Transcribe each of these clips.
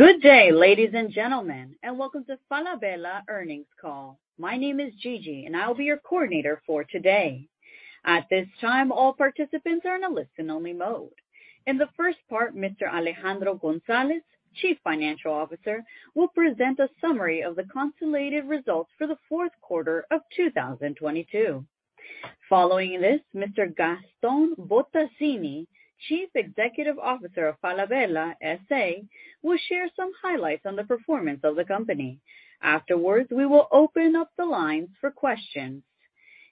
Good day, ladies and gentlemen, and welcome to Falabella earnings call. My name is Gigi, and I'll be your coordinator for today. At this time, all participants are in a listen only mode. In the first part, Mr. Alejandro González, Chief Financial Officer, will present a summary of the consolidated results for the fourth quarter of 2022. Following this, Mr. Gastón Bottazzini, Chief Executive Officer of Falabella S.A., will share some highlights on the performance of the company. Afterwards, we will open up the lines for questions.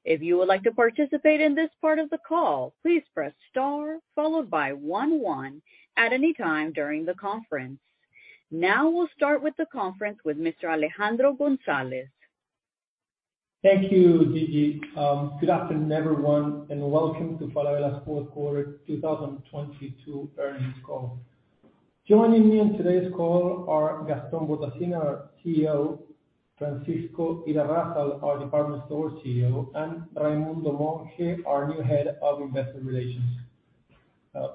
If you would like to participate in this part of the call, please press star followed by one one at any time during the conference. Now we'll start with the conference with Mr. Alejandro González. Thank you, Gigi. Good afternoon, everyone, and welcome to Falabella's Q4 2022 earnings call. Joining me on today's call are Gastón Bottazzini, our CEO, Francisco Irarrázabal, our Department Store CEO, and Raimundo Monge, our new Head of Investor Relations.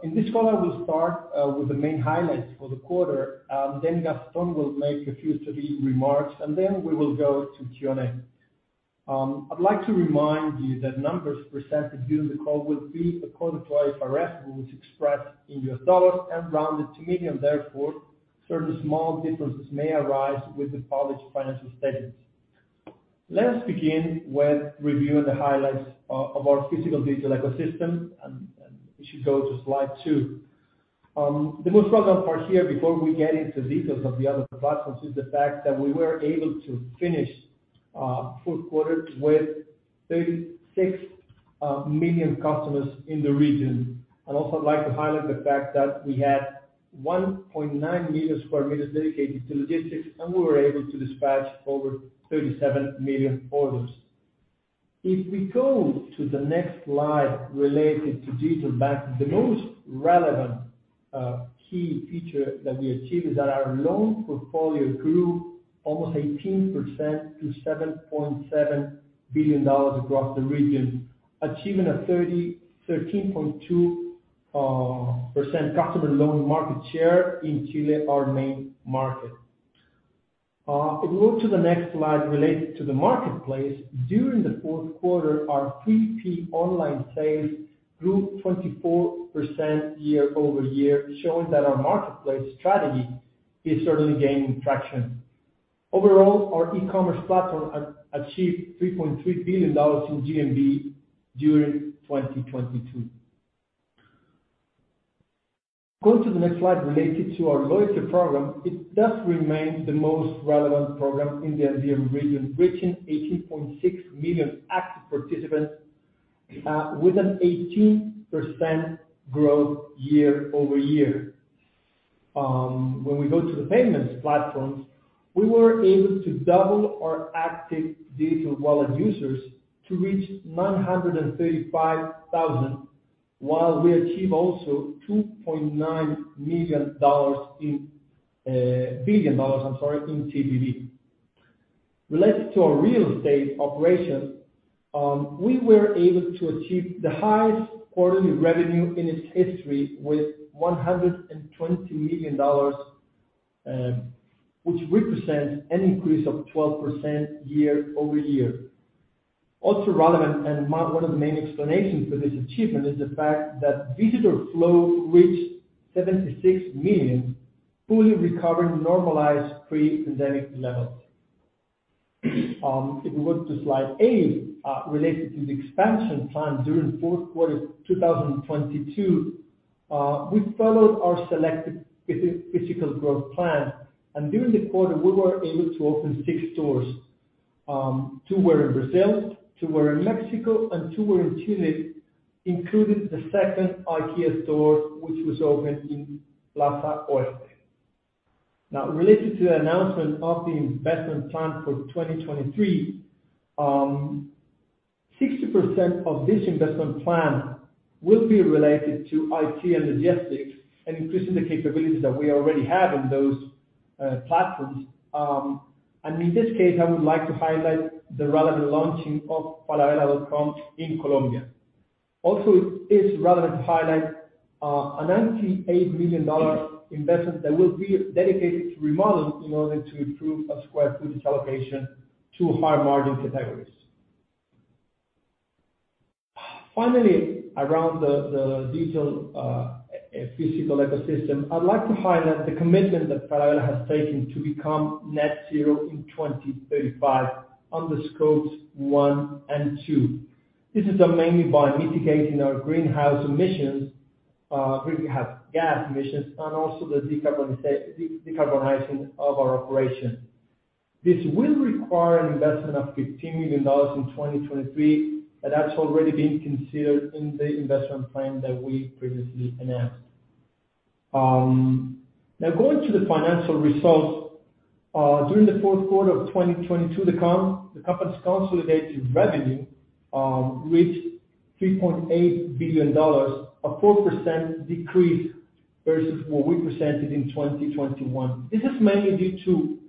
In this call, I will start with the main highlights for the quarter, then Gastón will make a few study remarks, and then we will go to Q&A. I'd like to remind you that numbers presented during the call will be according to IFRS, which express in U.S. dollars and rounded to millions. Therefore, certain small differences may arise with the published financial statements. Let us begin with reviewing the highlights of our physical digital ecosystem, and we should go to slide two. The most relevant part here before we get into details of the other platforms, is the fact that we were able to finish fourth quarter with 36 million customers in the region. I'd also like to highlight the fact that we had 1.9 million square meter dedicated to logistics, and we were able to dispatch over 37 million orders. If we go to the next slide related to digital banking, the most relevant key feature that we achieved is that our loan portfolio grew almost 18% to $7.7 billion across the region, achieving a 13.2% customer loan market share in Chile, our main market. If we go to the next slide related to the marketplace. During the fourth quarter, our 3P online sales grew 24% year over year, showing that our marketplace strategy is certainly gaining traction. Overall, our e-commerce platform achieved $3.3 billion in GMV during 2022. Go to the next slide related to our Loyalty program. It does remain the most relevant program in the Andean region, reaching 18.6 million active participants, with an 18% growth year over year. When we go to the payments platforms, we were able to double our active digital wallet users to reach 935,000, while we achieve also $2.9 billion dollars in TPV. Related to our Real Estate operations, we were able to achieve the highest quarterly revenue in its history with $120 million, which represents an increase of 12% year-over-year. Also relevant, and one of the main explanations for this achievement is the fact that visitor flow reached 76 million, fully recovering normalized pre-pandemic levels. If we go to slide eight, related to the expansion plan during fourth quarter 2022, we followed our selected physical growth plan, and during the quarter, we were able to open six stores. Two were in Brazil, two were in Mexico, and two were in Chile, including the second IKEA store, which was opened in Mallplaza Oeste. Related to the announcement of the investment plan for 2023, 60% of this investment plan will be related to IT and logistics and increasing the capabilities that we already have in those platforms. In this case, I would like to highlight the relevant launching of falabella.com in Colombia. It's relevant to highlight a $98 million investment that will be dedicated to remodeling in order to improve our square footage allocation to higher margin categories. Around the digital e-physical ecosystem, I'd like to highlight the commitment that Falabella has taken to become net zero in 2035 under Scope 1 and Scope 2. This is done mainly by mitigating our greenhouse gas emissions and also the decarbonizing of our operations. This will require an investment of $15 million in 2023. That's already been considered in the investment plan that we previously announced. Now going to the financial results. During the fourth quarter of 2022, the company's consolidated revenue reached $3.8 billion, a 4% decrease versus what we presented in 2021. This is mainly due to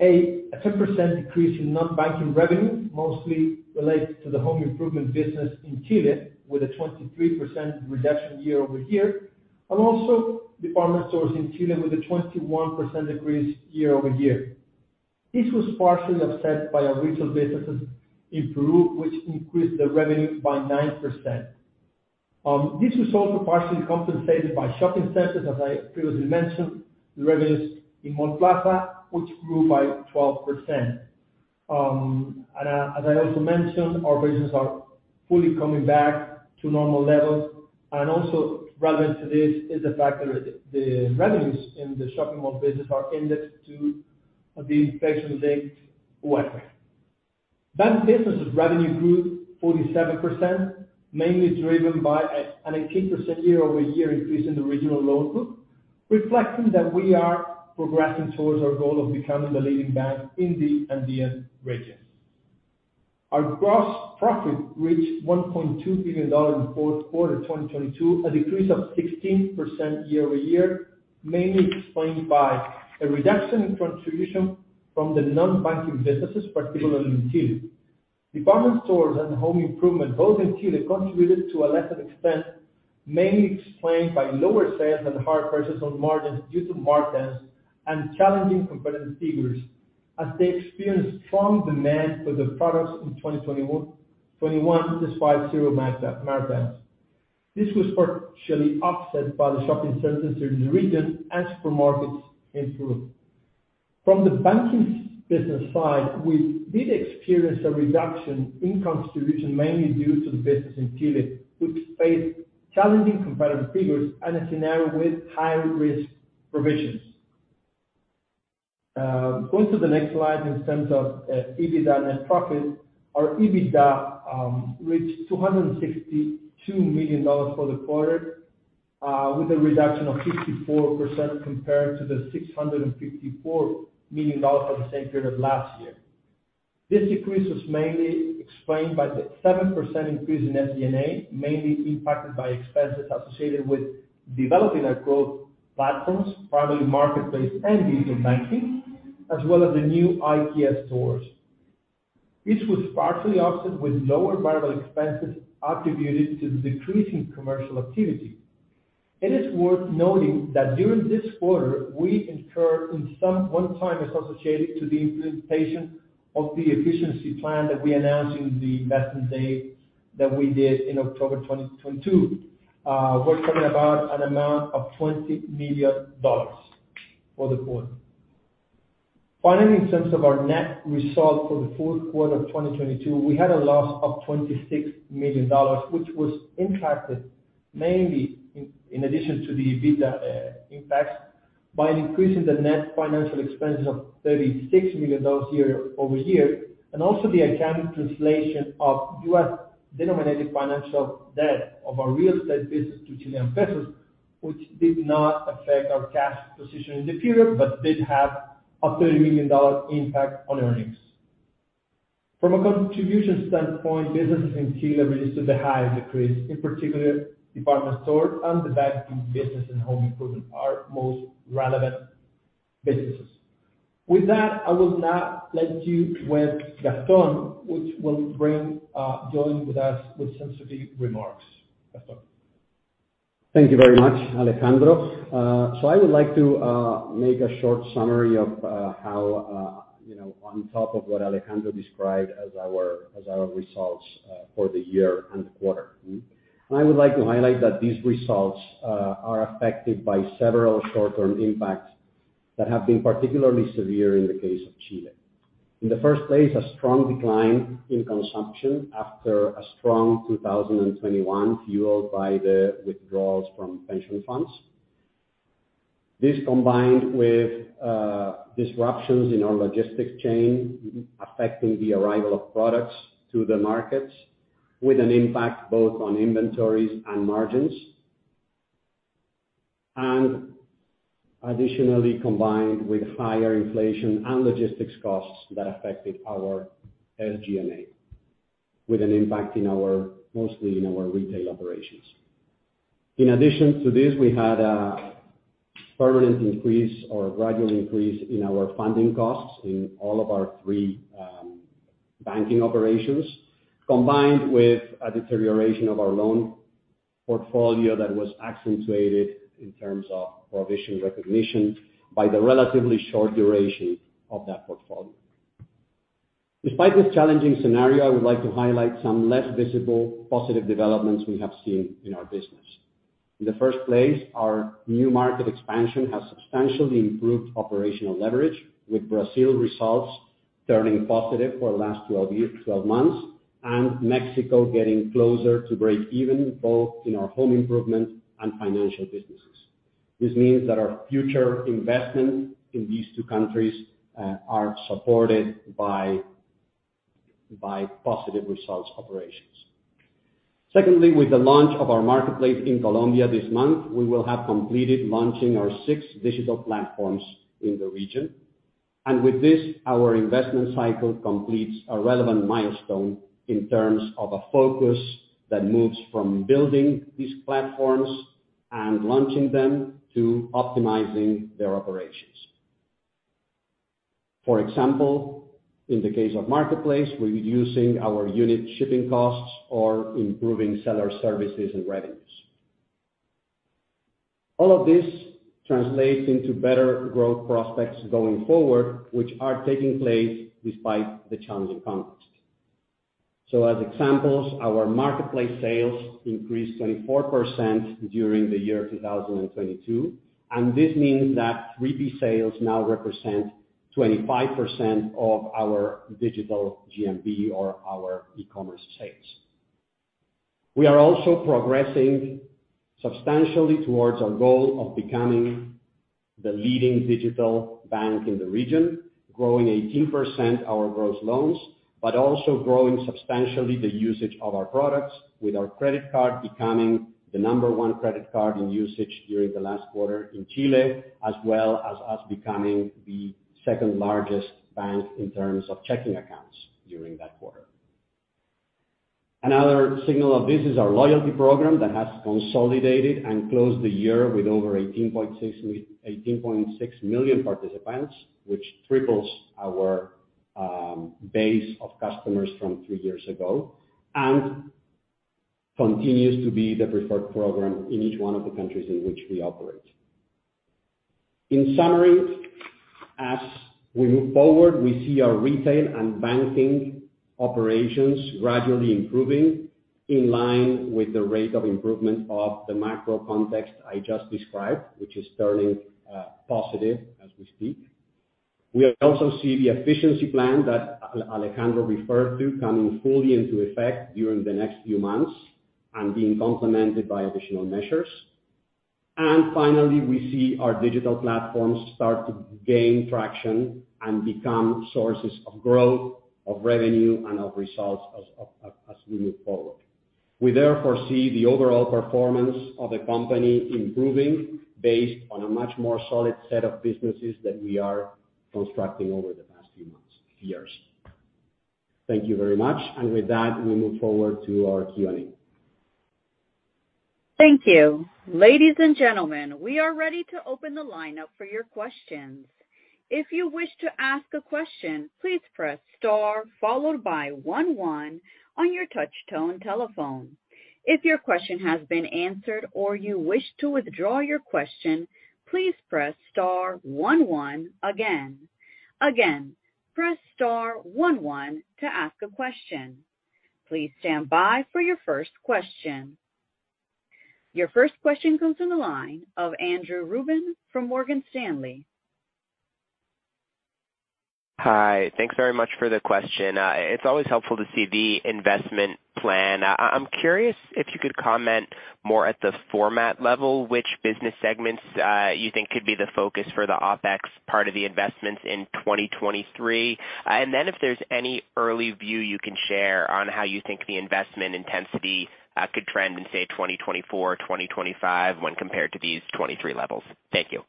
a 10% decrease in non-banking revenue, mostly related to the Home Improvement business in Chile, with a 23% reduction year-over-year. Also Department Stores in Chile with a 21% decrease year-over-year. This was partially offset by our retail businesses in Peru, which increased the revenue by 9%. This was also partially compensated by shopping centers, as I previously mentioned, the revenues in Mallplaza, which grew by 12%. As I also mentioned, our businesses are fully coming back to normal levels. Also relevant to this is the fact that the revenues in the shopping mall business are indexed to the inflation rate whatever. Bank businesses revenue grew 47%, mainly driven by an 18% year-over-year increase in the regional loan book, reflecting that we are progressing towards our goal of becoming the leading bank in the Andean region. Our gross profit reached $1.2 billion in fourth quarter 2022, a decrease of 16% year-over-year, mainly explained by a reduction in contribution from the non-banking businesses, particularly in Chile. Department stores and Home Improvement, both in Chile, contributed to a lesser extent, mainly explained by lower sales and higher purchases on margins due to markets and challenging competitive figures as they experienced strong demand for the products in 2021, despite zero markets. This was partially offset by the shopping centers in the region and Supermarkets in Peru. From the Banking business side, we did experience a reduction in contribution, mainly due to the business in Chile, which faced challenging competitive figures and a scenario with high risk provisions. Going to the next slide in terms of EBITDA net profit. Our EBITDA reached $262 million for the quarter, with a reduction of 54% compared to the $654 million for the same period last year. This decrease was mainly explained by the 7% increase in SG&A, mainly impacted by expenses associated with developing our growth platforms, primarily marketplace and digital banking, as well as the new IPS stores. This was partially offset with lower variable expenses attributed to the decrease in commercial activity. It is worth noting that during this quarter, we incurred in some one-timers associated to the implementation of the efficiency plan that we announced in the last update that we did in October 2022. We're talking about an amount of $20 million for the quarter. Finally, in terms of our net result for the fourth quarter of 2022, we had a loss of $26 million, which was impacted mainly in addition to the EBITDA impacts, by an increase in the net financial expenses of $36 million year-over-year, and also the accounting translation of U.S. denominated financial debt of our Real Estate business to Chilean pesos, which did not affect our cash position in the period, but did have a $30 million impact on earnings. From a contribution standpoint, businesses in Chile registered the highest decrease, in particular Department Stores and the Banking business and Home Improvement, our most relevant businesses. That, I will now let you with Gastón, which will bring join with us with some closing remarks. Gastón. Thank you very much, Alejandro. I would like to make a short summary of how, you know, on top of what Alejandro described as our results for the year and quarter. I would like to highlight that these results are affected by several short-term impacts that have been particularly severe in the case of Chile. In the first place, a strong decline in consumption after a strong 2021, fueled by the withdrawals from pension funds. This combined with disruptions in our logistics chain, affecting the arrival of products to the markets with an impact both on inventories and margins. Additionally, combined with higher inflation and logistics costs that affected our SG&A with an impact in our, mostly in our retail operations. In addition to this, we had a permanent increase or gradual increase in our funding costs in all of our three Banking operations, combined with a deterioration of our loan portfolio that was accentuated in terms of provision recognition by the relatively short duration of that portfolio. Despite this challenging scenario, I would like to highlight some less visible positive developments we have seen in our business. In the first place, our new market expansion has substantially improved operational leverage, with Brazil results turning positive for the last 12 months, and Mexico getting closer to breakeven, both in our Home Improvement and financial businesses. This means that our future investments in these two countries are supported by positive results operations. Secondly, with the launch of our marketplace in Colombia this month, we will have completed launching our six digital platforms in the region. With this, our investment cycle completes a relevant milestone in terms of a focus that moves from building these platforms and launching them to optimizing their operations. For example, in the case of marketplace, we're using our unit shipping costs or improving seller services and revenues. All of this translates into better growth prospects going forward, which are taking place despite the challenging context. As examples, our marketplace sales increased 24% during the year 2022. This means that 3P sales now represent 25% of our digital GMV or our e-commerce sales. We are also progressing substantially towards our goal of becoming the leading digital bank in the region, growing 18% our gross loans, but also growing substantially the usage of our products with our credit card becoming the number one credit card in usage during the last quarter in Chile, as well as us becoming the second-largest bank in terms of checking accounts during that quarter. Another signal of this is our loyalty program that has consolidated and closed the year with over 18.6 million participants, which triples our base of customers from three years ago and continues to be the preferred program in each one of the countries in which we operate. In summary, as we move forward, we see our Retail and Banking operations gradually improving in line with the rate of improvement of the macro context I just described, which is turning positive as we speak. We also see the efficiency plan that Alejandro referred to coming fully into effect during the next few months and being complemented by additional measures. Finally, we see our digital platforms start to gain traction and become sources of growth, of revenue, and of results as we move forward. We therefore see the overall performance of the company improving based on a much more solid set of businesses that we are constructing over the past few months, years. Thank you very much. With that, we move forward to our Q&A. Thank you. Ladies and gentlemen, we are ready to open the lineup for your questions. If you wish to ask a question, please press star followed by one one on your touch tone telephone. If your question has been answered or you wish to withdraw your question, please press star one one again. Again, press star one one to ask a question. Please stand by for your first question. Your first question comes from the line of Andrew Ruben from Morgan Stanley. Hi. Thanks very much for the question. It's always helpful to see the investment plan. I'm curious if you could comment more at the format level, which business segments, you think could be the focus for the OpEx part of the investments in 2023? Then if there's any early view you can share on how you think the investment intensity, could trend in, say, 2024, 2025 when compared to these 2023 levels. Thank you.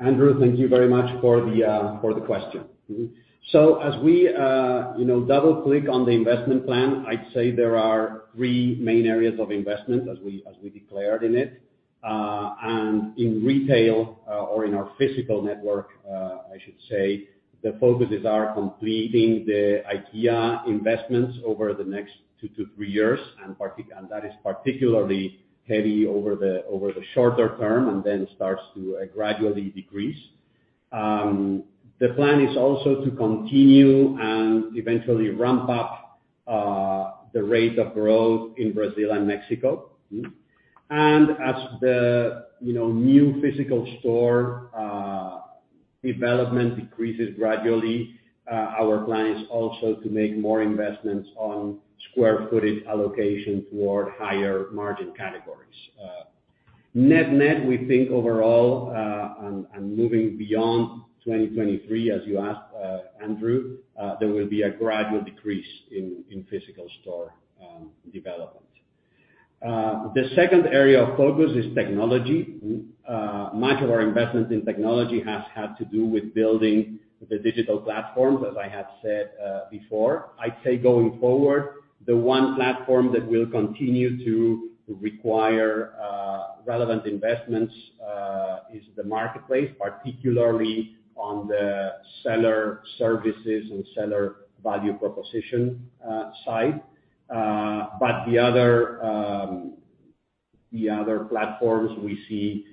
Andrew, thank you very much for the question. As we, you know, double-click on the investment plan, I'd say there are three main areas of investment as we, as we declared in it. In retail, or in our physical network, I should say, the focuses are completing the IKEA investments over the next two to three years, and that is particularly heavy over the shorter term and then starts to gradually decrease. The plan is also to continue and eventually ramp up the rate of growth in Brazil and Mexico. As the, you know, new physical store development decreases gradually, our plan is also to make more investments on square footage allocation toward higher margin categories. Net-net, we think overall, and moving beyond 2023, as you asked, Andrew, there will be a gradual decrease in physical store development. The second area of focus is technology. Much of our investments in technology has had to do with building the digital platforms, as I have said before. I'd say going forward, the one platform that will continue to require relevant investments, is the marketplace, particularly on the seller services and seller value proposition side. But the other, the other platforms we see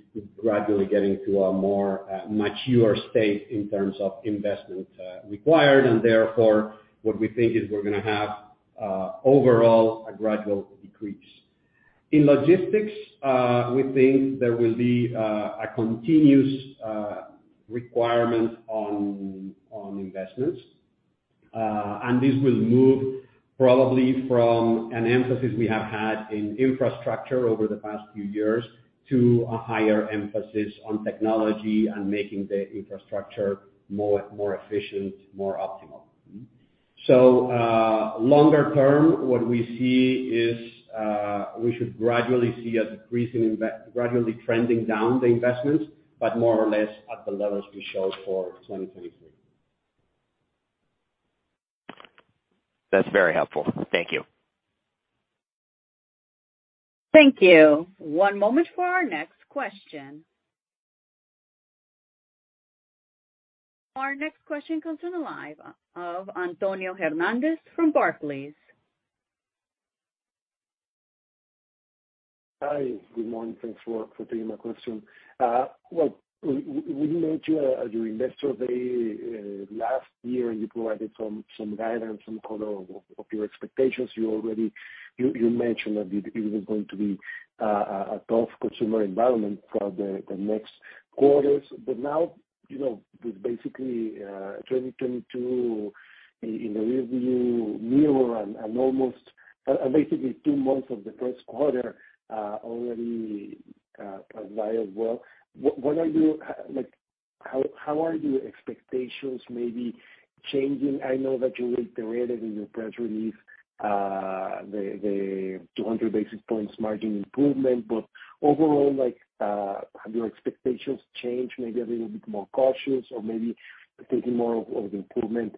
gradually getting to a more maturer state in terms of investment required, and therefore, what we think is we're gonna have overall a gradual decrease. In logistics, we think there will be a continuous requirement on investments. This will move probably from an emphasis we have had in infrastructure over the past few years to a higher emphasis on technology and making the infrastructure more, more efficient, more optimal. Longer term, what we see is, we should gradually see gradually trending down the investments, but more or less at the levels we showed for 2023. That's very helpful. Thank you. Thank you. One moment for our next question. Our next question comes to the line of Antonio Hernández from Barclays. Hi, good morning. Thanks for taking my question. We note you during investor day last year, you provided some guidance, some color of your expectations. You mentioned that it was going to be a tough consumer environment for the next quarters. Now, you know, with basically 2022 in the rear view mirror and almost and basically two months of the first quarter already as well, how are your expectations maybe changing? I know that you reiterated in your press release the 200 basis points margin improvement. Overall, like, have your expectations changed maybe a little bit more cautious or maybe taking more of the improvement,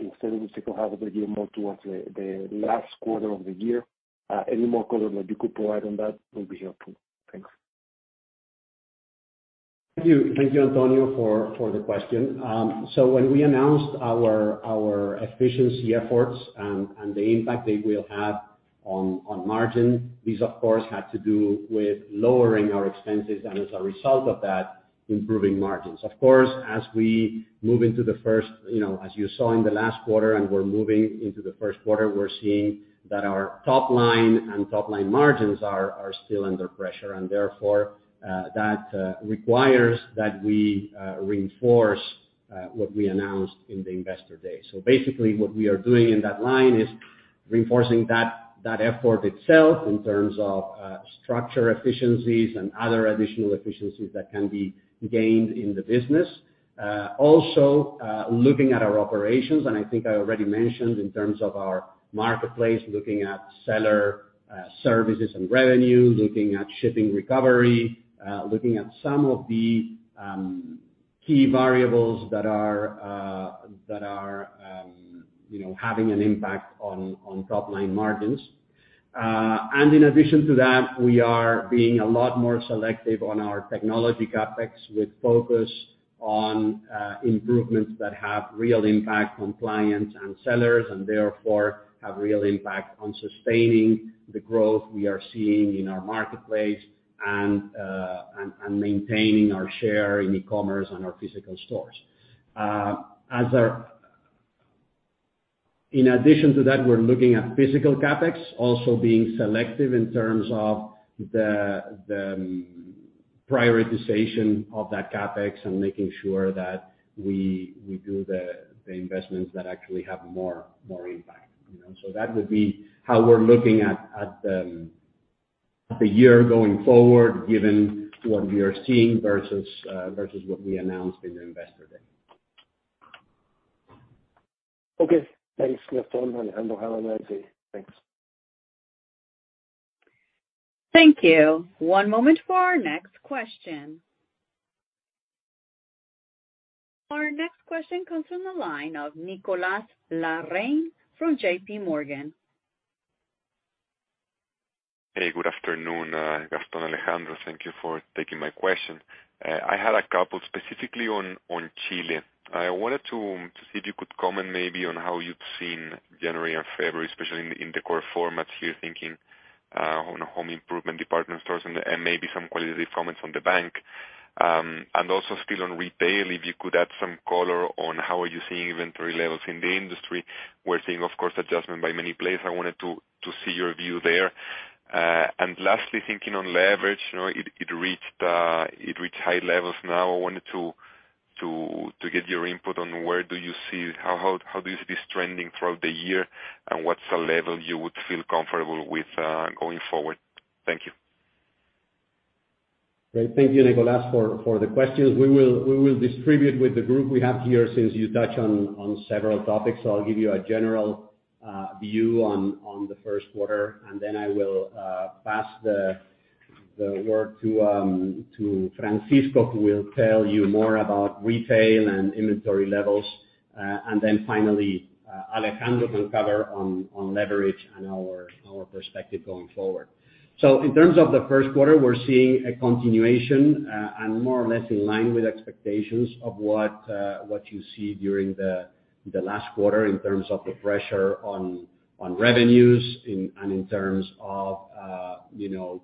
instead of the second half of the year, more towards the last quarter of the year? Any more color that you could provide on that will be helpful? Thanks. Thank you. Thank you, Antonio, for the question. When we announced our efficiency efforts and the impact they will have on margin, these of course had to do with lowering our expenses and as a result of that, improving margins. Of course, as we move into the first, you know, as you saw in the last quarter and we're moving into the first quarter, we're seeing that our top line and top line margins are still under pressure. Therefore, that requires that we reinforce what we announced in the investor day. Basically, what we are doing in that line is reinforcing that effort itself in terms of structure efficiencies and other additional efficiencies that can be gained in the business. Also, looking at our operations, and I think I already mentioned in terms of our marketplace, looking at seller, services and revenue, looking at shipping recovery, looking at some of the key variables that are, you know, having an impact on top line margins. In addition to that, we are being a lot more selective on our technology CapEx with focus on improvements that have real impact on clients and sellers, and therefore have real impact on sustaining the growth we are seeing in our marketplace and maintaining our share in e-commerce and our physical stores. As our- In addition to that, we're looking at physical CapEx also being selective in terms of the prioritization of that CapEx and making sure that we do the investments that actually have more impact, you know. That would be how we're looking at the year going forward, given what we are seeing versus what we announced in the investor day. Okay. Thanks, Gastón and Alejandro. Thanks. Thank you. One moment for our next question. Our next question comes from the line of Nicolás Larrain from JPMorgan. Hey, good afternoon, Gastón, Alejandro. Thank you for taking my question. I had two specifically on Chile. I wanted to see if you could comment maybe on how you've seen January and February, especially in the core formats here, thinking, on a Home Improvement, Department Stores and maybe some qualitative comments on the Bank. Also still on Retail, if you could add some color on how are you seeing inventory levels in the industry. We're seeing, of course, adjustment by many players. I wanted to see your view there. Lastly thinking on leverage, you know, it reached high levels now. I wanted to get your input on where do you see... ...how this is trending throughout the year and what's the level you would feel comfortable with, going forward? Thank you. Great. Thank you, Nicolás, for the questions. We will distribute with the group we have here since you touched on several topics. I'll give you a general view on the first quarter, and then I will pass the word to Francisco, who will tell you more about retail and inventory levels. Then finally, Alejandro can cover on leverage and our perspective going forward. In terms of the first quarter, we're seeing a continuation and more or less in line with expectations of what you see during the last quarter in terms of the pressure on revenues and in terms of, you know,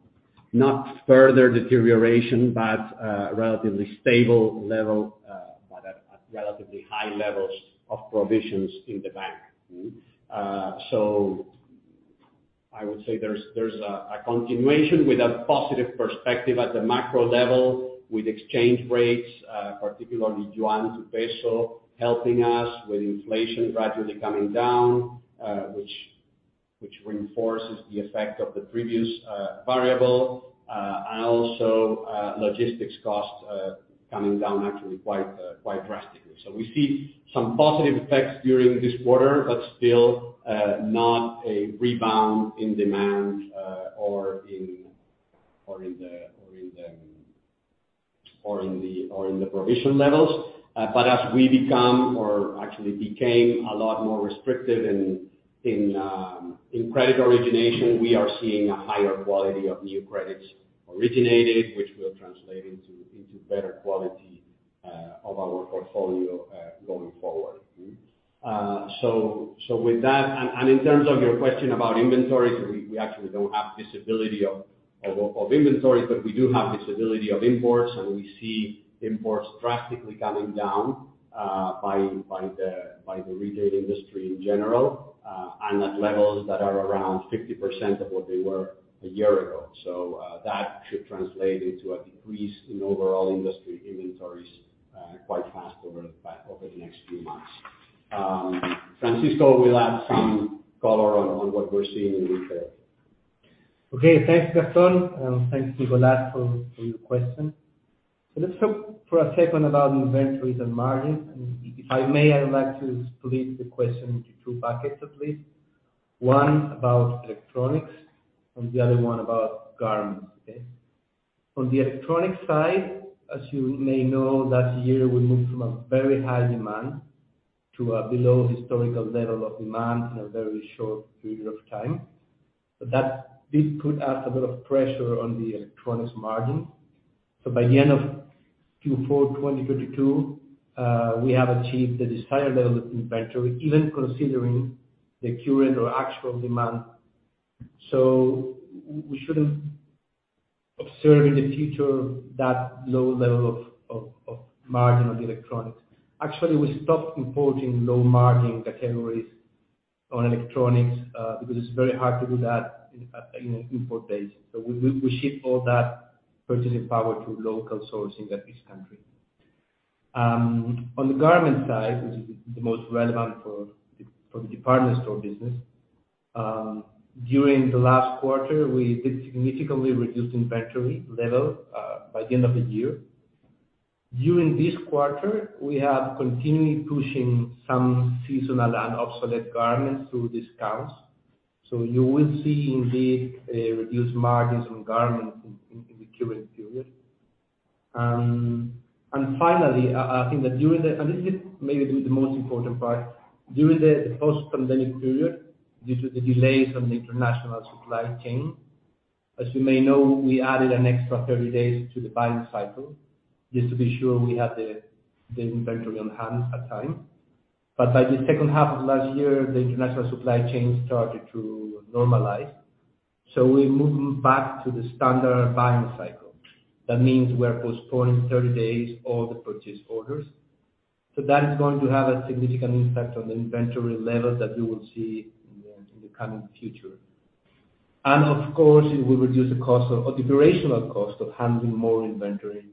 not further deterioration, but relatively stable level, but at relatively high levels of provisions in the bank. I would say there's a continuation with a positive perspective at the macro level with exchange rates, particularly yuan to peso, helping us with inflation gradually coming down, which reinforces the effect of the previous variable. Also, logistics costs, coming down actually quite drastically. We see some positive effects during this quarter, still not a rebound in demand, or in the- In the provision levels. As we become or actually became a lot more restrictive in credit origination, we are seeing a higher quality of new credits originated, which will translate into better quality of our portfolio going forward. With that. In terms of your question about inventories, we actually don't have visibility of inventories, but we do have visibility of imports, and we see imports drastically coming down by the retail industry in general, and at levels that are around 50% of what they were a year ago. That should translate into a decrease in overall industry inventories quite fast over the next few months. Francisco will add some color on what we're seeing in retail. Thanks, Gastón. Thanks, Nicolás, for your question. Let's talk for a second about inventories and margins. If I may, I would like to split the question into two buckets, at least. One about electronics and the other one about garments, okay? On the electronic side, as you may know, last year, we moved from a very high demand to a below historical level of demand in a very short period of time. That did put us a bit of pressure on the electronics margin. By the end of Q4 2022, we have achieved the desired level of inventory, even considering the current or actual demand. We shouldn't observe in the future that low level of margin on the electronics. Actually, we stopped importing low-margin categories on electronics because it's very hard to do that at the import base. We ship all that purchasing power to local sourcing at each country. On the garment side, which is the most relevant for the Department Store business, during the last quarter, we did significantly reduce inventory level by the end of the year. During this quarter, we have continued pushing some seasonal and obsolete garments through discounts, so you will see indeed a reduced margins on garments in the current period. Finally, I think that this is maybe the most important part. During the post-pandemic period, due to the delays on the international supply chain, as you may know, we added an extra 30 days to the buying cycle, just to be sure we have the inventory on hand at time. By the second half of last year, the international supply chains started to normalize, so we're moving back to the standard buying cycle. That means we are postponing 30 days all the purchase orders. That is going to have a significant impact on the inventory level that you will see in the coming future. Of course, it will reduce the cost of the durational cost of handling more inventory.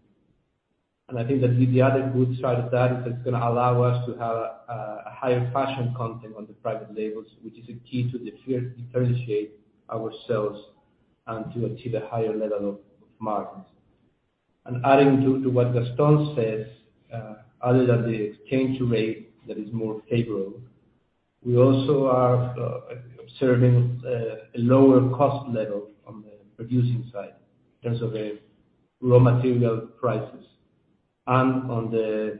I think that the other good side of that is it's gonna allow us to have a higher fashion content on the private labels, which is a key to differentiate ourselves and to achieve a higher level of margins. Adding to what Gastón says, other than the exchange rate that is more favorable, we also are observing a lower cost level on the producing side in terms of the raw material prices and on the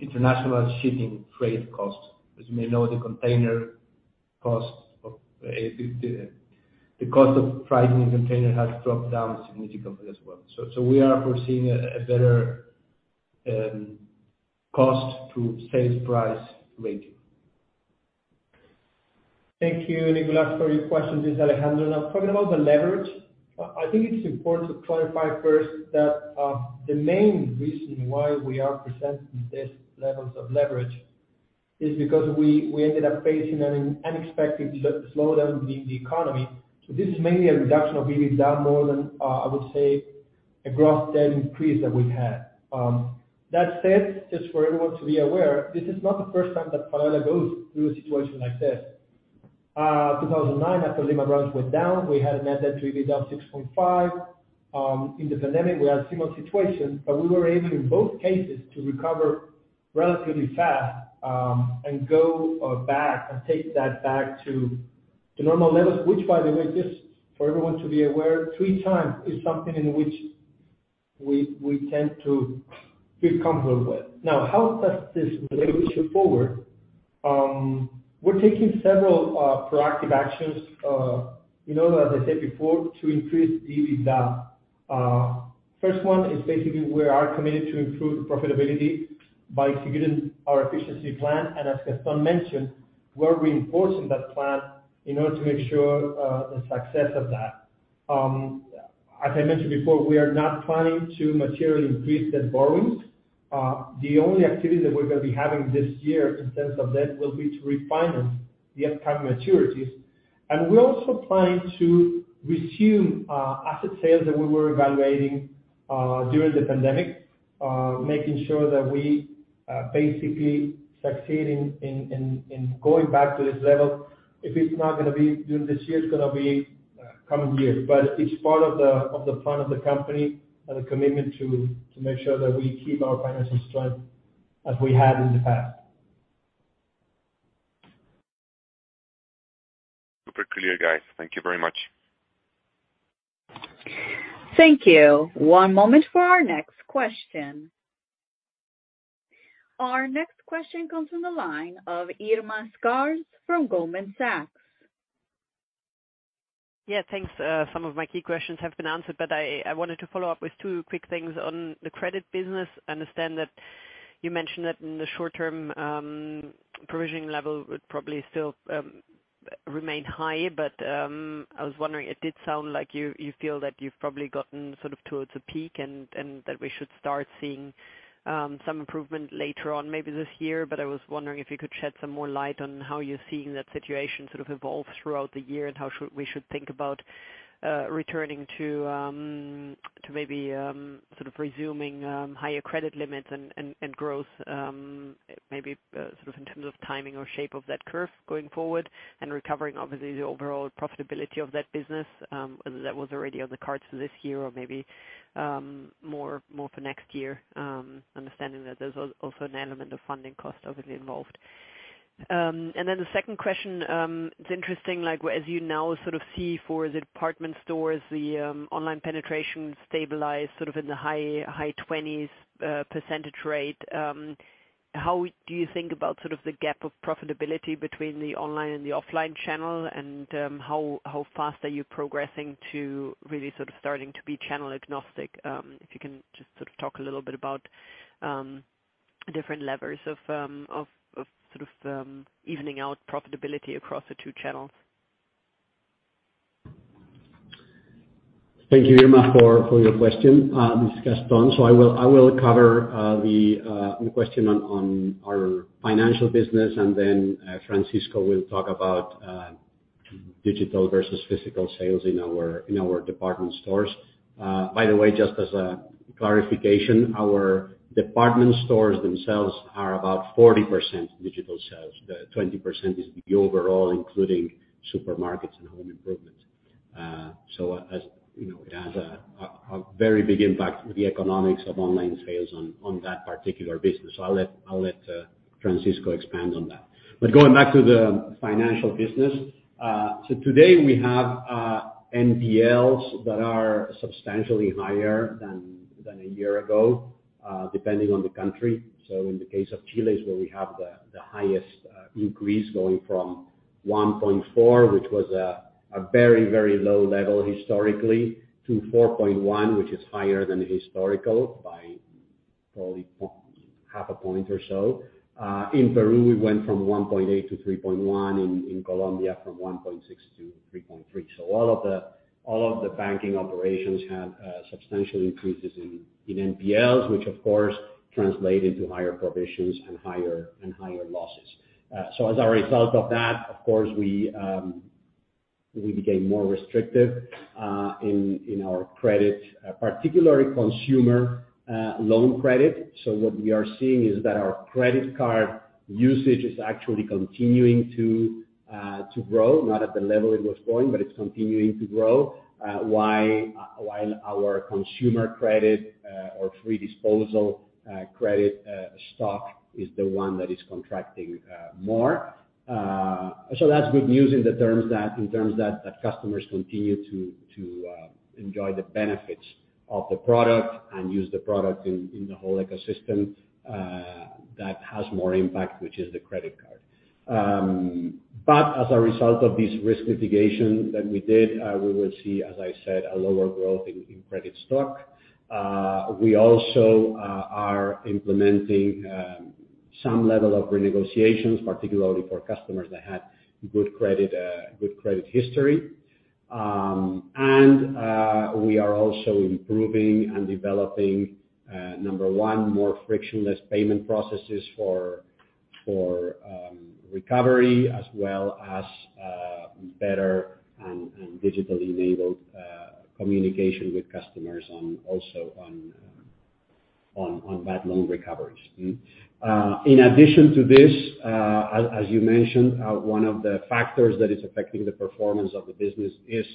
international shipping freight costs. As you may know, the container costs of the cost of pricing a container has dropped down significantly as well. We are foreseeing a better cost to sales price ratio. Thank you, Nicolás, for your question. This is Alejandro. Talking about the leverage, I think it's important to clarify first that the main reason why we are presenting these levels of leverage is because we ended up facing an unexpected slowdown in the economy. This is mainly a reduction of EBITDA more than, I would say, a gross debt increase that we had. That said, just for everyone to be aware, this is not the first time that Falabella goes through a situation like this. 2009, after Lehman Brothers went down, we had a net debt to EBITDA of 6.5. In the pandemic, we had a similar situation, but we were able, in both cases, to recover relatively fast, and go back and take that back to the normal levels, which, by the way, just for everyone to be aware, 3x is something in which we tend to feel comfortable with. Now, how does this relationship forward? We're taking several proactive actions, you know, as I said before, to increase the EBITDA. First one is basically we are committed to improve profitability by executing our efficiency plan. As Gastón mentioned, we're reinforcing that plan in order to make sure the success of that. As I mentioned before, we are not planning to materially increase the borrowings. The only activity that we're gonna be having this year in terms of debt will be to refinance the upcoming maturities. We're also planning to resume asset sales that we were evaluating during the pandemic, making sure that we basically succeed in going back to this level. If it's not gonna be during this year, it's gonna be coming years. It's part of the plan of the company and the commitment to make sure that we keep our financial strength as we have in the past. See you guys. Thank you very much. Thank you. One moment for our next question. Our next question comes from the line of Irma Sgarz from Goldman Sachs. Yeah, thanks. Some of my key questions have been answered, but I wanted to follow-up with two quick things on the credit business. I understand that you mentioned that in the short term, provisioning level would probably still remain high, but I was wondering, it did sound like you feel that you've probably gotten sort of towards a peak and that we should start seeing some improvement later on, maybe this year. I was wondering if you could shed some more light on how you're seeing that situation sort of evolve throughout the year, and how we should think about returning to maybe sort of resuming higher credit limits and growth, maybe sort of in terms of timing or shape of that curve going forward and recovering, obviously, the overall profitability of that business, whether that was already on the cards for this year or maybe more for next year, understanding that there's also an element of funding cost obviously involved. Then the second question, it's interesting, like, as you now sort of see for the Department Stores, the online penetration stabilized sort of in the high 20% rate. How do you think about sort of the gap of profitability between the online and the offline channel and how fast are you progressing to really sort of starting to be channel agnostic? If you can just sort of talk a little bit about different levers of sort of evening out profitability across the two channels. Thank you, Irma, for your question. This is Gastón. I will cover the question on our financial business, and then Francisco will talk about digital versus physical sales in our Department Stores. By the way, just as a clarification, our Department Stores themselves are about 40% digital sales. The 20% is the overall, including Supermarkets and Home Improvement. As you know, it has a very big impact with the economics of online sales on that particular business. I'll let Francisco expand on that. Going back to the financial business. Today we have NPLs that are substantially higher than a year ago, depending on the country. In the case of Chile, is where we have the highest increase going from 1.4%, which was a very, very low level historically, to 4.1%, which is higher than historical by probably half a point or so. In Peru, we went from 1.8%-3.1%, in Colombia, from 1.6%-3.3%. All of the Banking operations had substantial increases in NPLs, which of course translated to higher provisions and higher losses. As a result of that, of course, we became more restrictive in our credit, particularly consumer loan credit. What we are seeing is that our credit card usage is actually continuing to grow, not at the level it was growing, but it's continuing to grow. Why? While our consumer credit, or free disposal, credit stock is the one that is contracting more. That's good news in terms that customers continue to enjoy the benefits of the product and use the product in the whole ecosystem that has more impact, which is the credit card. As a result of this risk mitigation that we did, we will see, as I said, a lower growth in credit stock. We also are implementing some level of renegotiations, particularly for customers that had good credit history. We are also improving and developing number one, more frictionless payment processes for recovery as well as better and digitally enabled communication with customers on bad loan recoveries. In addition to this, as you mentioned, one of the factors that is affecting the performance of the business is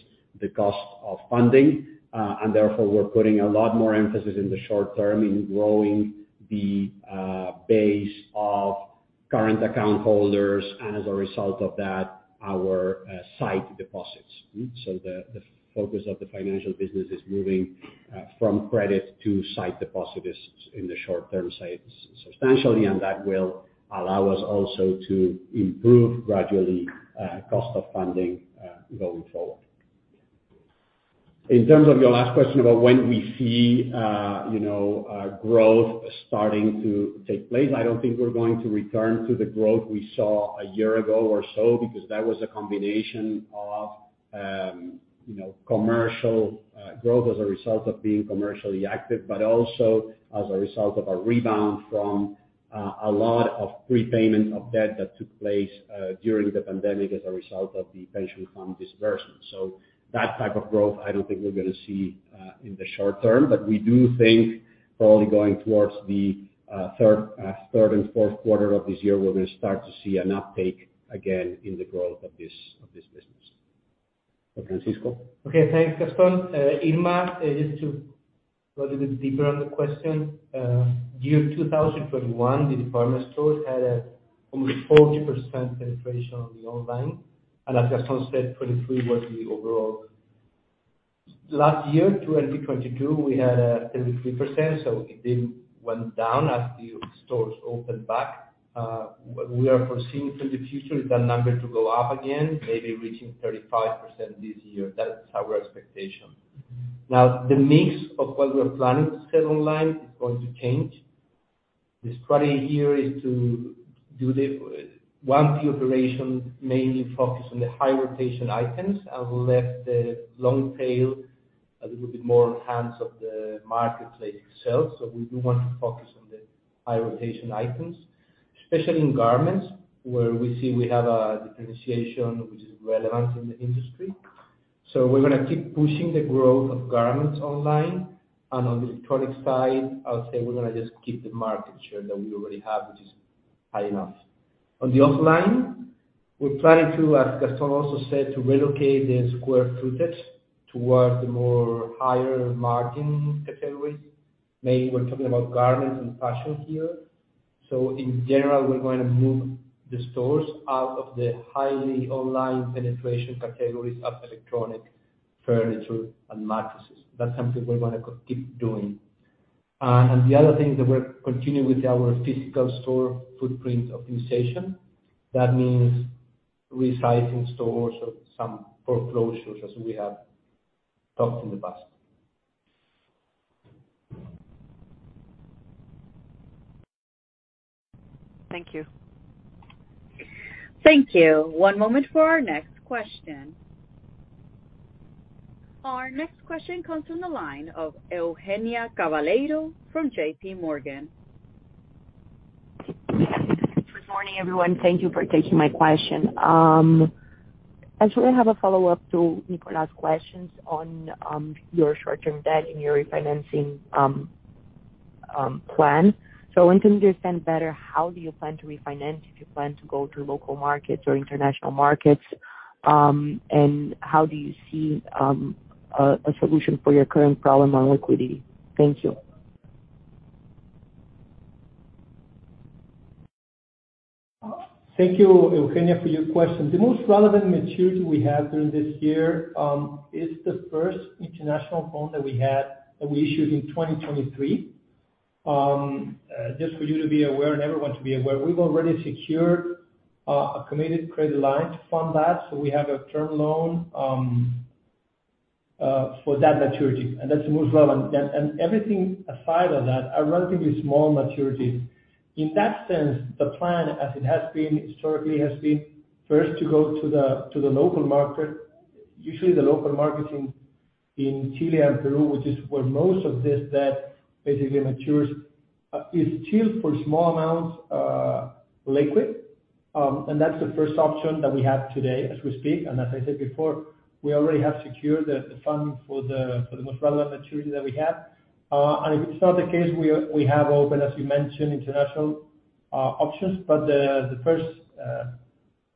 the cost of funding. Therefore, we're putting a lot more emphasis in the short term in growing the base of current account holders, and as a result of that, our sight deposits. The focus of the financial business is moving from credit to sight deposits in the short term sites substantially, and that will allow us also to improve gradually cost of funding going forward. In terms of your last question about when we see growth starting to take place, I don't think we're going to return to the growth we saw a year ago or so, because that was a combination of commercial growth as a result of being commercially active, but also as a result of a rebound from a lot of prepayment of debt that took place during the pandemic as a result of the pension fund disbursement. That type of growth I don't think we're gonna see in the short term. We do think probably going towards the third and fourth quarter of this year, we're gonna start to see an uptake again in the growth of this, of this business. Francisco. Okay, thanks, Gastón. Irma, just Go a little bit deeper on the question. Year 2021, the Department Store had almost 40% penetration on the online. As Gastón said, 23% was the overall... Last year, 2022, we had 33%, so it did went down as the stores opened back. What we are foreseeing for the future is that number to go up again, maybe reaching 35% this year. That is our expectation. The mix of what we are planning to sell online is going to change. The strategy here is to do the operation mainly focus on the high rotation items and let the long tail a little bit more in hands of the marketplace itself. We do want to focus on the high rotation items, especially in garments, where we see we have a differentiation which is relevant in the industry. We're gonna keep pushing the growth of garments online. On the electronic side, I would say we're gonna just keep the market share that we already have, which is high enough. On the offline, we're planning to, as Gastón also said, to relocate the square footage towards the more higher margin categories. Mainly, we're talking about garments and fashion here. In general, we're going to move the stores out of the highly online penetration categories of electronic, furniture, and mattresses. That's something we wanna keep doing. The other thing is that we're continuing with our physical store footprint optimization. That means resizing stores or some foreclosures, as we have talked in the past. Thank you. Thank you. One moment for our next question. Our next question comes from the line of Eugenia Cavalheiro from JPMorgan. Good morning, everyone. Thank you for taking my question. Actually, I have a follow-up to Nicolás questions on your short-term debt and your refinancing plan. I want to understand better how do you plan to refinance, if you plan to go to local markets or international markets, and how do you see a solution for your current problem on liquidity? Thank you. Thank you, Eugenia, for your question. The most relevant maturity we have during this year, is the first international bond that we issued in 2023. Just for you to be aware, and everyone to be aware, we've already secured a committed credit line to fund that, so we have a term loan for that maturity, and that's the most relevant. Everything aside of that are relatively small maturities. In that sense, the plan, as it has been historically, has been first to go to the local market. Usually the local market in Chile and Peru, which is where most of this debt basically matures, is still, for small amounts, liquid. That's the first option that we have today as we speak. As I said before, we already have secured the funding for the most relevant maturity that we have. If it's not the case, we have open, as you mentioned, international options. The first,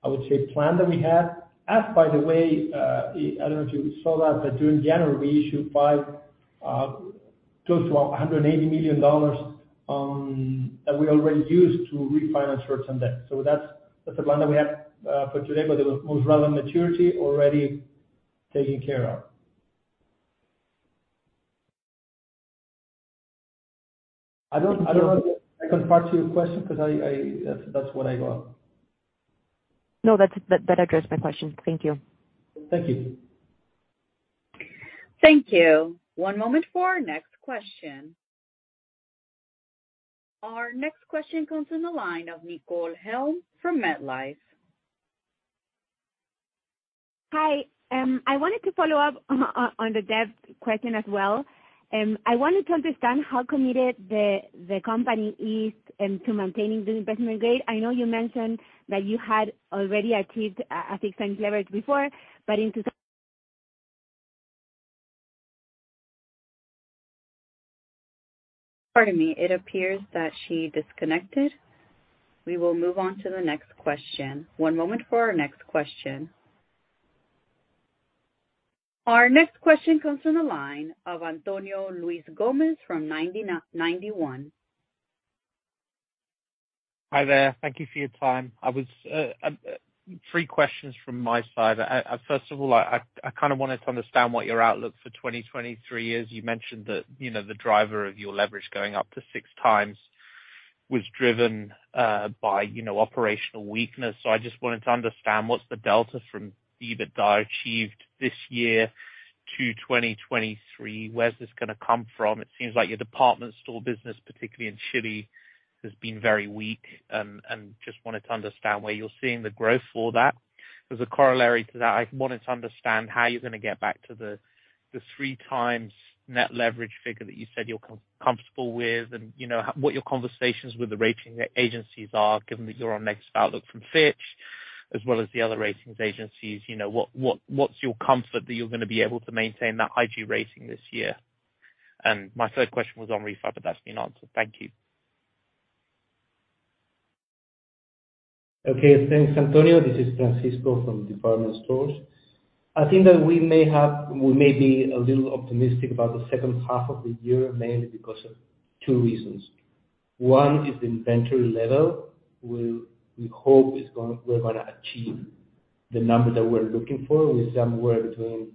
I would say, plan that we have, as by the way, I don't know if you saw that, but during January we issued close to $180 million that we already used to refinance for some debt. That's the plan that we have for today. The most relevant maturity already taken care of. I don't know if there's a second part to your question because That's what I got. No, that's that addressed my question. Thank you. Thank you. Thank you. One moment for our next question. Our next question comes from the line of Nicol Helm from MetLife. Hi. I wanted to follow-up on the debt question as well. I wanted to understand how committed the company is to maintaining the investment grade. I know you mentioned that you had already achieved a fixed line leverage before. Pardon me. It appears that she disconnected. We will move on to the next question. One moment for our next question. Our next question comes from the line of Antonio Luiz Gomes from Ninety One. Hi there. Thank you for your time. I was three questions from my side. First of all, I kind of wanted to understand what your outlook for 2023 is. You mentioned that, you know, the driver of your leverage going up to 6x was driven by, you know, operational weakness. I just wanted to understand what's the delta from EBITDA achieved this year to 2023. Where's this gonna come from? It seems like your Department Store business, particularly in Chile, has been very weak, and just wanted to understand where you're seeing the growth for that. As a corollary to that, I wanted to understand how you're gonna get back to the 3x net leverage figure that you said you're comfortable with and, you know, what your conversations with the rating agencies are, given that you're on negative outlook from Fitch as well as the other ratings agencies. You know, what's your comfort that you're gonna be able to maintain that IG rating this year? My third question was on refi, but that's been answered. Thank you. Okay, thanks, Antonio. This is Francisco from Department Stores. I think that we may be a little optimistic about the second half of the year, mainly because of two reasons. One is the inventory level. We hope we're gonna achieve the numbers that we're looking for with somewhere between...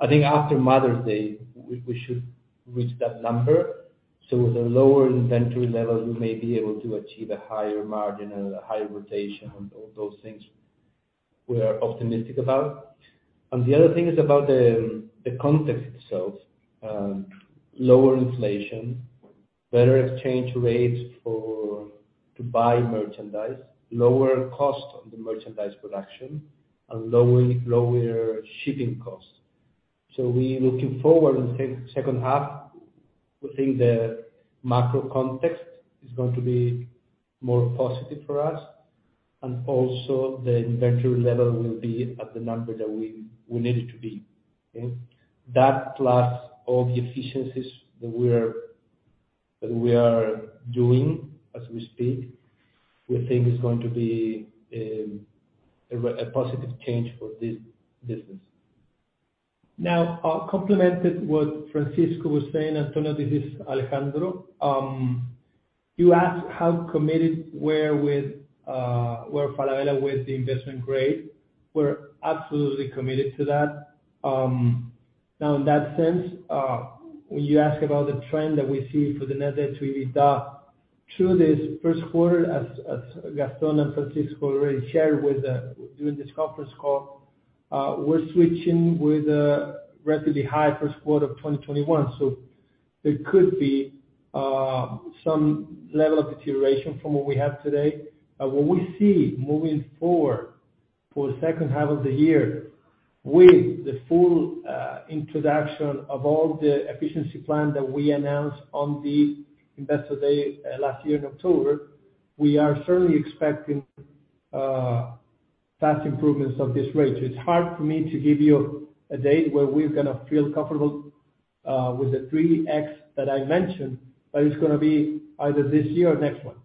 I think after Mother's Day, we should reach that number. With a lower inventory level, we may be able to achieve a higher margin and a higher rotation on all those things we are optimistic about. The other thing is about the context itself. lower inflation, better exchange rates for, to buy merchandise, lower cost on the merchandise production, and lower shipping costs. We looking forward in second half, we think the macro context is going to be more positive for us, and also the inventory level will be at the number that we need it to be. Okay. That plus all the efficiencies that we are doing as we speak, we think is going to be a positive change for this business. Complemented what Francisco was saying. Antonio, this is Alejandro. You asked how committed we're Falabella with the investment grade. We're absolutely committed to that. In that sense, when you ask about the trend that we see for the net debt to EBITDA, through this first quarter, as Gastón and Francisco already shared during this conference call, we're switching with a relatively high first quarter of 2021. There could be some level of deterioration from what we have today. What we see moving forward for the second half of the year with the full introduction of all the efficiency plan that we announced on the Investor Day last year in October, we are certainly expecting fast improvements of this rate. It's hard for me to give you a date where we're gonna feel comfortable, with the 3x that I mentioned, but it's gonna be either this year or next one.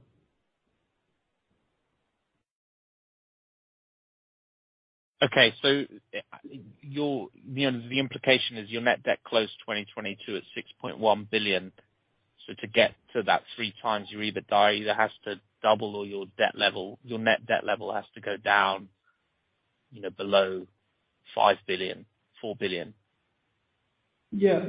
You know, the implication is your net debt close 2022 at $6.1 billion. To get to that 3x, you either die, either has to double or your net debt level has to go down, you know, below $5 billion, $4 billion. Yeah.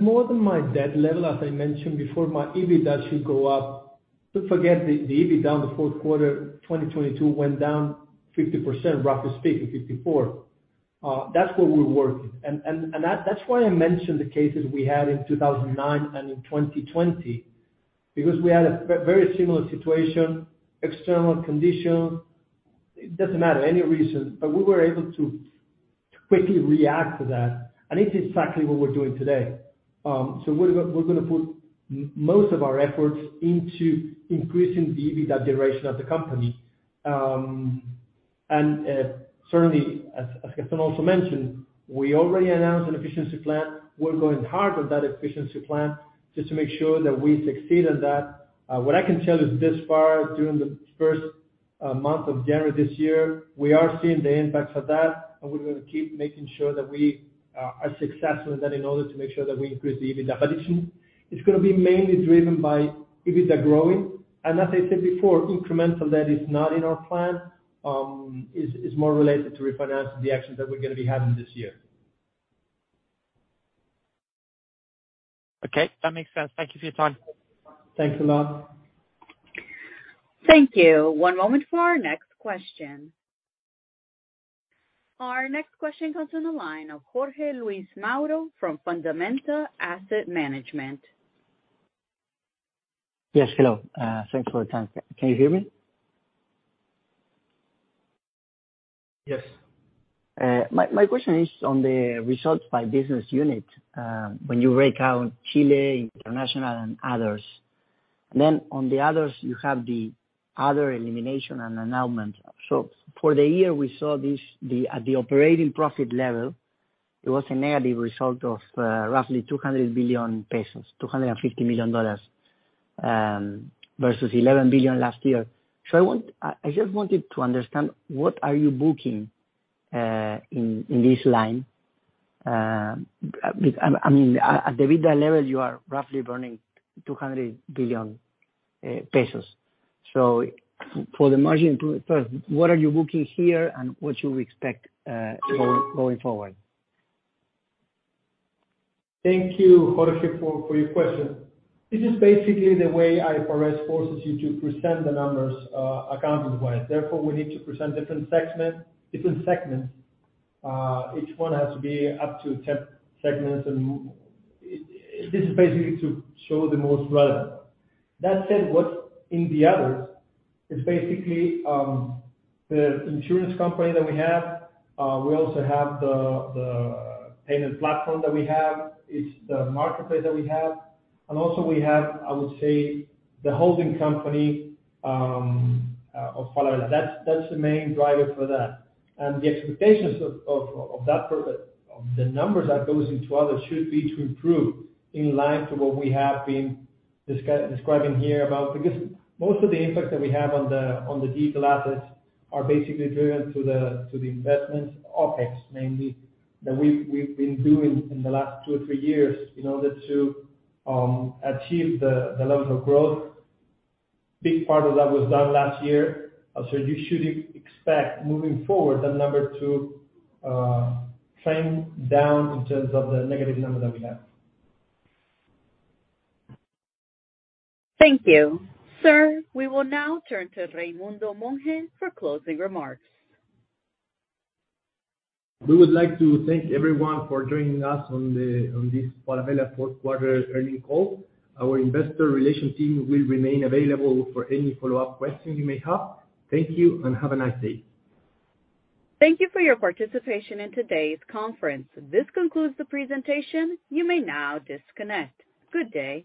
More than my debt level, as I mentioned before, my EBITDA should go up. Don't forget the EBITDA on the fourth quarter, 2022 went down 50%, roughly speaking, 54%. That's what we're working. That's why I mentioned the cases we had in 2009 and in 2020. We had a very similar situation, external condition. It doesn't matter, any reason, but we were able to quickly react to that. It's exactly what we're doing today. We're gonna put most of our efforts into increasing the EBITDA generation of the company. Certainly, as Gastón also mentioned, we already announced an efficiency plan. We're going hard on that efficiency plan just to make sure that we succeed on that. What I can tell you this far during the first month of January this year, we are seeing the impacts of that, and we're gonna keep making sure that we are successful in that in order to make sure that we increase the EBITDA. Listen, it's gonna be mainly driven by EBITDA growing. As I said before, incremental that is not in our plan, is more related to refinancing the actions that we're gonna be having this year. Okay, that makes sense. Thank you for your time. Thanks a lot. Thank you. One moment for our next question. Our next question comes from the line of Jorge Luis Mauro from Fundamenta Capital. Yes. Hello. Thanks for the time. Can you hear me? Yes. My question is on the results by business unit, when you break out Chile, international, and others, and then on the others you have the other elimination and annulment. For the year we saw this at the operating profit level, it was a negative result of roughly 200 billion pesos, $250 million, versus $11 billion last year. I just wanted to understand what are you booking in this line? I mean, at the EBITDA level, you are roughly burning 200 billion pesos. For the margin improvement first, what are you booking here and what should we expect going forward? Thank you, Jorge, for your question. This is basically the way IFRS forces you to present the numbers, accounted wise. We need to present different segments. Each one has to be up to 10 segments and this is basically to show the most relevant. That said, what's in the others is basically the insurance company that we have. We also have the payment platform that we have. It's the marketplace that we have. We also have, I would say, the holding company of Falabella. That's the main driver for that. The expectations of that for the numbers that goes into others should be to improve in line to what we have been describing here about. Because most of the impact that we have on the digital assets are basically driven to the investment OpEx, mainly, that we've been doing in the last two or three years in order to achieve the levels of growth. Big part of that was done last year. You should expect moving forward that number to trend down in terms of the negative number that we have. Thank you. Sir, we will now turn to Raimundo Monge for closing remarks. We would like to thank everyone for joining us on this Falabella fourth quarter earnings call. Our investor relations team will remain available for any follow-up question you may have. Thank you and have a nice day. Thank you for your participation in today's conference. This concludes the presentation. You may now disconnect. Good day.